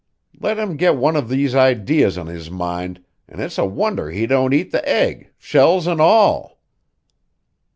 Let him get one of these ideas on his mind an' it's a wonder he don't eat the egg, shells an' all."